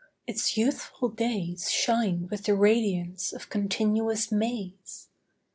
Its youthful days Shine with the radiance of continuous Mays.